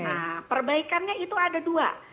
nah perbaikannya itu ada dua